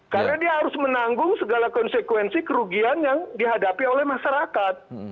karena dia harus menanggung segala konsekuensi kerugian yang dihadapi oleh masyarakat